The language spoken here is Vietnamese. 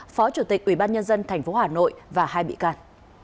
phó chủ tịch ubnd tp hà nội và hai bị can